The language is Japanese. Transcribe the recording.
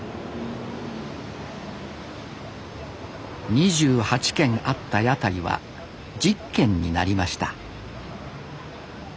２８軒あった屋台は１０軒になりました